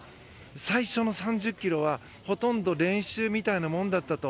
最初の３０ｋｍはほとんど練習みたいなものだったと。